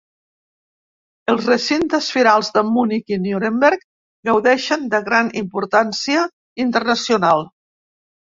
Els recintes firals de Munic i Nuremberg gaudeixen de gran importància internacional.